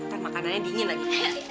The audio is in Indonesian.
ntar makanannya dingin lagi